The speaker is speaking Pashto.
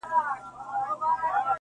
• ځوان ولاړ سو.